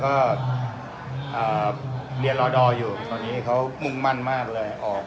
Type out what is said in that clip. ก็เรียนรอดออยู่ตอนนี้เขามุ่งมั่นมากเลยออก